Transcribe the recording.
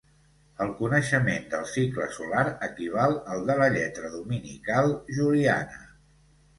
El coneixement del cicle solar equival al de la lletra dominical juliana.